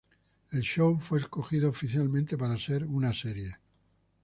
El show fue escogido oficialmente para ser una serie.